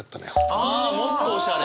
あもっとおしゃれ。